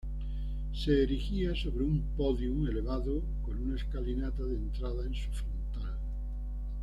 Se erigía sobre un "podium" elevado con una escalinata de entrada en su frontal.